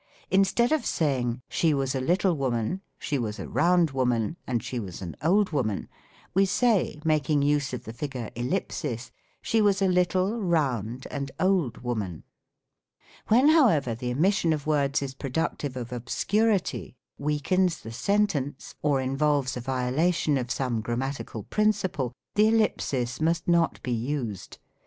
In stead of saying, " She was a little woman, she was a round woman, and she was an old woman," we say, making use of the figure Ellipsis, " She was a little, round, and old woman." When, however, the omission of words is productive of obscurity, weakens the sentence, or involves a viola tion of some grammatical principle, the ellipsis must not be used.